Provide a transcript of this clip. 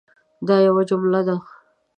دا یوه جمله ده